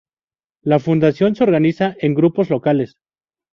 La fundación se organiza en grupos locales.